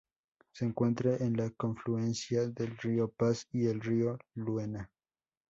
Se encuentra en la confluencia del Río Pas y el Río Luena.